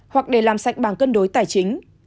hoặc để làm sạch bằng cân đối tài chính